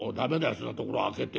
そんなところ開けて。